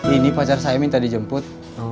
ini pacar saya minta dijemput